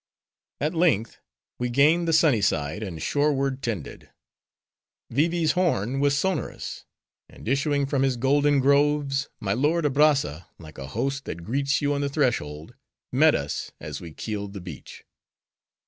At length we gained the sunny side, and shoreward tended. Vee Vee's horn was sonorous; and issuing from his golden groves, my lord Abrazza, like a host that greets you on the threshold, met us, as we keeled the beach.